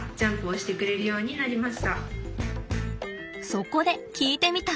そこで聞いてみた！